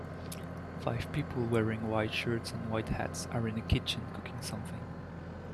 Five people wearing white shirts and white hats are in a kitchen cooking something.